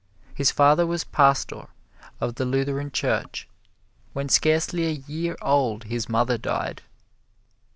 His father was pastor of the Lutheran Church. When scarcely a year old his mother died.